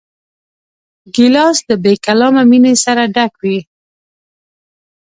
ګیلاس له بېکلامه مینې سره ډک وي.